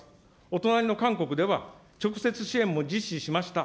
お隣の韓国では、直接支援も実施しました。